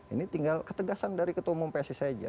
ini tinggal ketegasan dari ketua umum psi saja